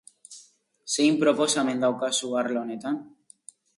Zein proposamen daukazu arlo honetan?